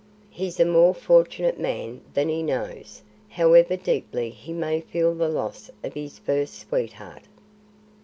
"He's a more fortunate man than he knows, however deeply he may feel the loss of his first sweetheart."